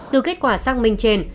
từ kết quả xác minh trên